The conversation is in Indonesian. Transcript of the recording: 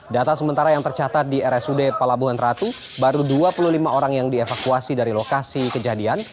data sementara yang tercatat di rsud pelabuhan ratu baru dua puluh lima orang yang dievakuasi dari lokasi kejadian